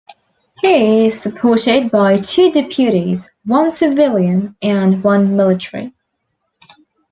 He is supported by two deputies - one civilian and one military.